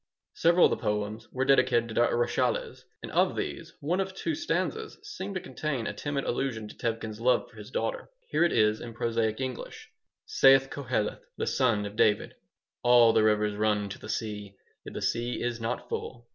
Several of the poems were dedicated to Doctor Rachaeles, and of these one of two stanzas seemed to contain a timid allusion to Tevkin's love for his daughter. Here it is in prosaic English: "Saith Koheleth, the son of David: 'All the rivers run into the sea, yet the sea is not full.'